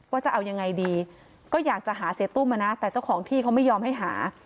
จะเอายังไงดีก็อยากจะหาเสียตุ้มอ่ะนะแต่เจ้าของที่เขาไม่ยอมให้หา